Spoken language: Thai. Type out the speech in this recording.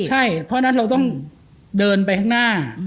ใช่เพราะฉะนั้นเราต้องเดินไปข้างหน้า